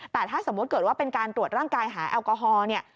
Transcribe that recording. แต่ถ้าสมมุติเกิดว่าเป็นการตรวจร่างกายหาแอลกอฮอล์เนี่ย